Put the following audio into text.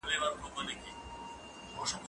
تمرين د زده کوونکي له خوا کيږي،